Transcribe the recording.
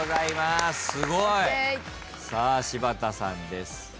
すごい！さあ柴田さんです。